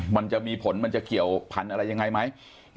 มันจะมีผลมันจะเกี่ยวพันธุ์อะไรยังไงไหม